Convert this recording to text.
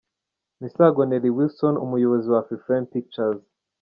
Misago Nelly Wilson umuyobozi wa Afrifame Pictures.